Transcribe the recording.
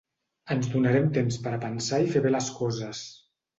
Ens donarem temps per a pensar i fer bé les coses.